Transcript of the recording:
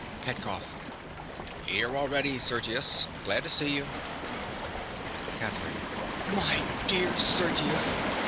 _) PETKOFF. Here already, Sergius. Glad to see you! CATHERINE. My dear Sergius!